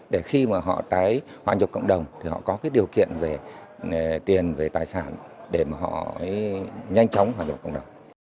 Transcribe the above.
để khi mà họ tái hoàn dụng cộng đồng thì họ có cái điều kiện về tiền về tài sản để mà họ nhanh chóng hoàn dụng cộng đồng